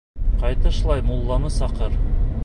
Ҡайтышлай мулланы саҡыр.